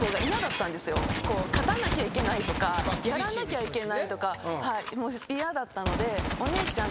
勝たなきゃいけないとかやらなきゃいけないとか嫌だったので。